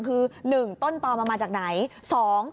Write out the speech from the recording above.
คือ๑ต้นต่อมันมาจากไหน